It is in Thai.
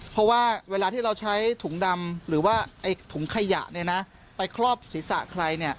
เพราะว่าเวลาที่เราใช้ถุงดำหรือว่าถุงขยะไปครอบศีรษะใคร